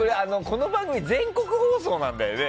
この番組、全国放送なんだよね。